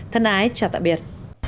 thân ái chào tạm biệt